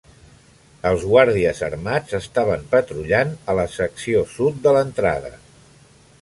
Els guàrdies armats estaven patrullant a la secció sud de l"entrada.